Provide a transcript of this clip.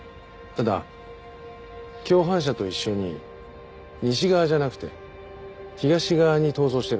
ただ共犯者と一緒に西側じゃなくて東側に逃走しているんだ。